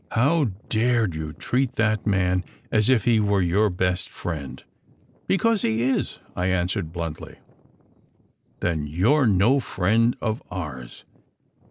"How dared you treat that man as if he were your best friend !" "Because he is," I answered bluntly. "Then you re no friend of ours!